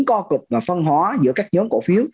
nó có tính co cực và phân hóa giữa các nhóm cổ phiếu